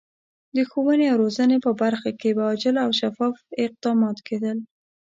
د ښوونې او روزنې په برخه کې به عاجل او شفاف اقدامات کېدل.